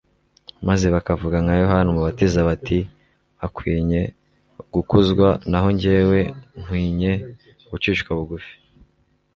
maze bakavuga nka Yohana umubatiza bati: "Akwinye gukuzwa naho njyewe nkwinye gucishwa bugufi".